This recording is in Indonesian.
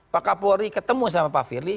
pak kapolri ketemu sama pak firly